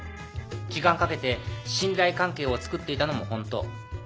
時間かけて信頼関係をつくっていたのも本当。